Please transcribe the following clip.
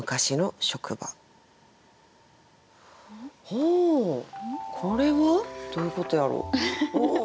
ほうこれは？どういうことやろ。